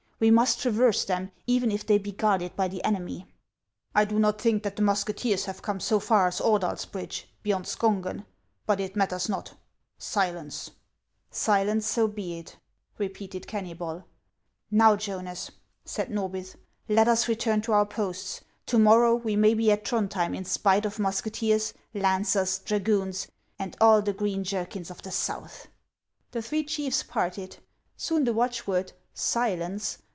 We must traverse them, even if they be guarded by the enemy." " I do not think that the musketeers have come so far HANS OF ICELAND. 385 as Ordals bridge, beyond Skongen ; but it matters not. Silence !"" Silence ! so be it !" repeated Keunybol. " Xow, Jonas," said Xorbith, " let us return to our posts. To morrow we may be at Throndhjem in spite of musketeers, lancers, dragoons, and all the green jerkins of the South." The three chiefs parted. Soon the watchword, " Silence